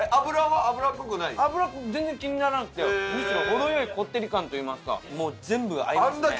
脂全然気にならなくてむしろ程良いこってり感といいますかもう全部合いますね。